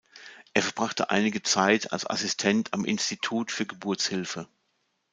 Er verbrachte einige Zeit als Assistent am Institut für Geburtshilfe.